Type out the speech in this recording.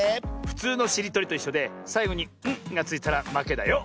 ふつうのしりとりといっしょでさいごに「ん」がついたらまけだよ。